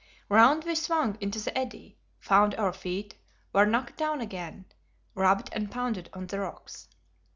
Round we swung into the eddy, found our feet, were knocked down again, rubbed and pounded on the rocks.